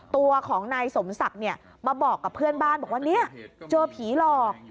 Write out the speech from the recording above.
ตัวของนายสมศักดิ์มาบอกกับเพื่อนบ้านบอกว่าเนี่ยเจอผีหลอก